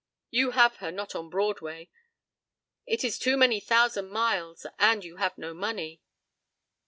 You have her not on Broadway. It is too many thousand miles, and you have no money.